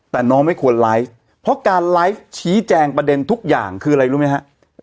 แต่น้องไม่ควรไลฟ์เพราะการไลฟ์ชี้แจงประเด็นทุกอย่างคืออะไรรู้ไหมฮะ